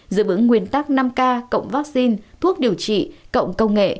giữ vững nguyên tắc năm k cộng vaccine thuốc điều trị cộng công nghệ